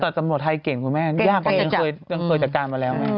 แต่สำรวจไทยเก่งคุณแม่ยังเคยจัดการมาแล้วไหม